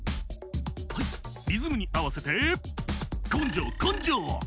「リズムにあわせてこんじょうこんじょう！」